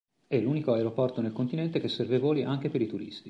È l'unico aeroporto nel continente che serve voli anche per i turisti.